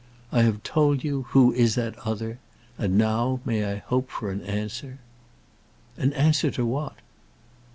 I have told you who is that other; and now may I hope for an answer?" "An answer to what?"